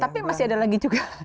tapi masih ada lagi juga